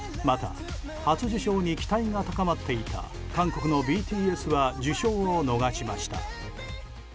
また、初受賞に期待が高まっていた韓国のＢＴＳは受賞を逃しました。